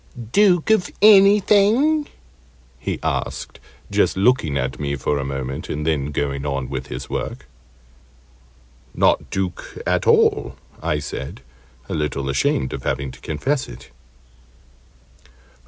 "Duke of Anything?" he asked, just looking at me for a moment, and then going on with his work. "Not Duke at all," I said, a little ashamed of having to confess it.